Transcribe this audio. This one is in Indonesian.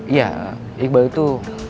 ya iqbal itu